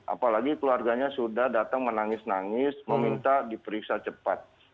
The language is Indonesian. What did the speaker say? apalagi keluarganya sudah datang menangis nangis meminta diperiksa cepat